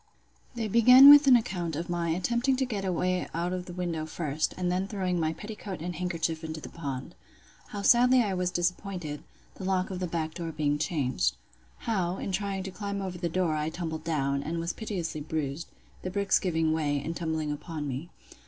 They begin with an account of 'my attempting to get away out of the window first, and then throwing my petticoat and handkerchief into the pond. How sadly I was disappointed, the lock of the back door being changed. How, in trying to climb over the door, I tumbled down, and was piteously bruised; the bricks giving way, and tumbling upon me.